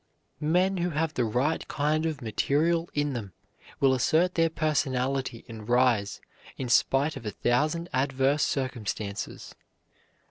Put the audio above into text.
Men who have the right kind of material in them will assert their personality and rise in spite of a thousand adverse circumstances.